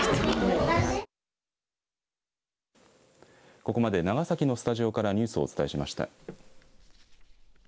ここまで長崎のスタジオからニュースをお伝えしました。